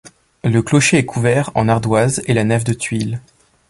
Le clocher est couvert en ardoises et la nef de tuiles.